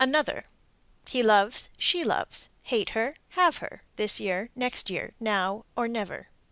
Another: He loves, She loves, Hate her, Have her, This year, Next year, Now or never.